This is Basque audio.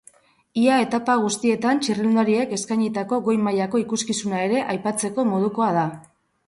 Ia etapa guztietan txirrindulariek eskainitako goi-mailako ikuskizuna ere aipatzeko modukoa da.